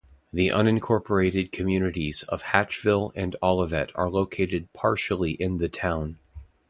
The unincorporated communities of Hatchville and Olivet are located partially in the town.